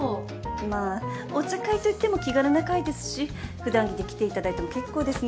まあお茶会といっても気軽な会ですし普段着で来ていただいても結構ですので